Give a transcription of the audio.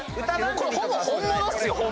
これほぼ本物っすよ。